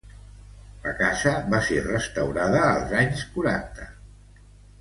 La casa va ser restaurada als anys quaranta.